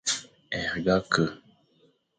Herga ke,